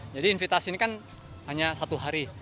jadi invitasi ini kan hanya satu hari